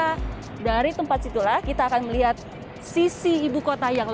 nah dari tempat situlah kita akan melihat sisi ibu kota yang lain